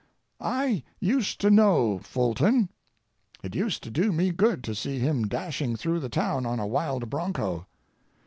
I used to know Fulton. It used to do me good to see him dashing through the town on a wild broncho.